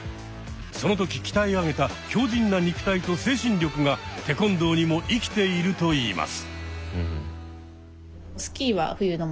その時鍛え上げた強じんな肉体と精神力がテコンドーにも生きているといいます。